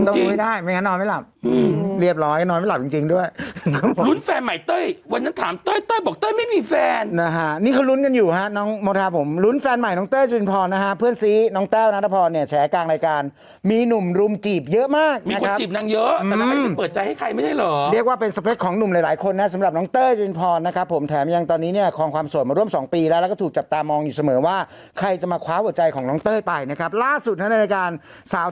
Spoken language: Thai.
ทำนาคาหลายคนก็กังวลแล้วเพราะตอนนี้ยอดโควิดมันกลับมาพุ่งขึ้นอีกแล้ว